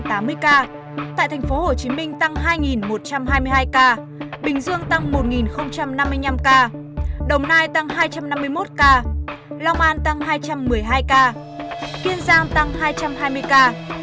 tại tp hcm tăng hai một trăm hai mươi hai ca bình dương tăng một năm mươi năm ca đồng nai tăng hai trăm năm mươi một ca long an tăng hai trăm một mươi hai ca kiên giang tăng hai trăm hai mươi ca